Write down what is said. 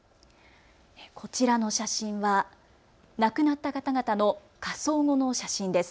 こちらの写真は亡くなった方々の火葬後の写真です。